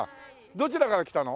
どちらから来たの？